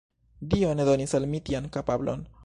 Dio ne donis al mi tian kapablon.